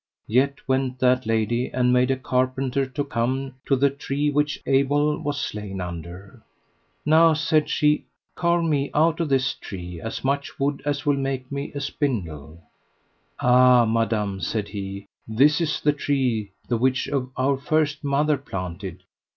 Yet went that lady and made a carpenter to come to the tree which Abel was slain under. Now, said she, carve me out of this tree as much wood as will make me a spindle. Ah madam, said he, this is the tree the which our first mother planted.